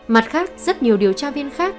mặt khác rất nhiều điều tra viên khác